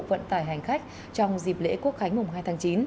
vận tải hành khách trong dịp lễ quốc khánh mùng hai tháng chín